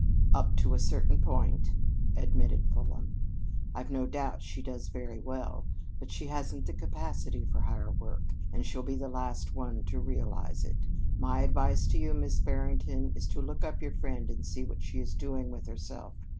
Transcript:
"Up to a certain point," admitted Fulham, "I've no doubt she does very well. But she hasn't the capacity for higher work, and she'll be the last one to realize it. My advice to you, Miss Barrington, is to look up your friend and see what she is doing with herself.